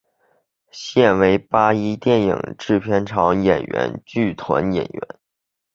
现为八一电影制片厂演员剧团演员。